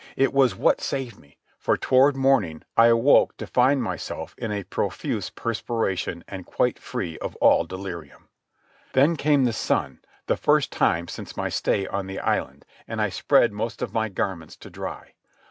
It was what saved me, for, toward morning, I awoke to find myself in a profuse perspiration and quite free of all delirium. Then came the sun, the first time since my stay on the island, and I spread most of my garments to dry.